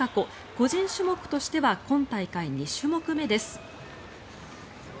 個人種目としては今大会２種目目です。